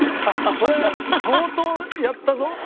それ相当やったぞ？